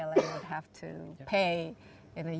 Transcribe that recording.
pla harus membayar